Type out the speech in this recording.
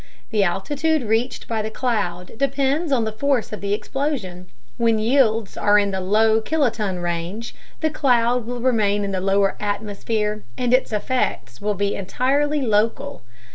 The altitude reached by the cloud depends on the force of the explosion. When yields are in the low kiloton range, the cloud will remain in the lower atmosphere and its effects will be entirely local.